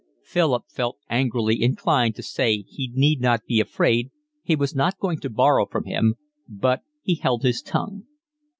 Philip felt angrily inclined to say he need not be afraid, he was not going to borrow from him, but he held his tongue.